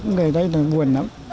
người đây là buồn lắm